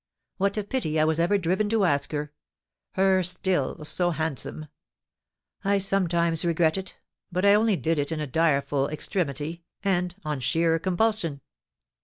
What a pity I was ever driven to ask her, her still so handsome! I sometimes regret it, but I only did it in a direful extremity, and on sheer compulsion."